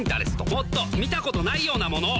もっと見たことないようなものを。